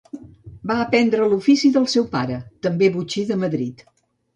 Va aprendre l'ofici del seu pare, també botxí de Madrid.